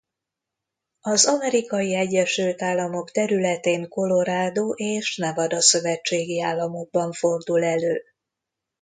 Az Amerikai Egyesült Államok területén Colorado és Nevada szövetségi államokban fordul elő.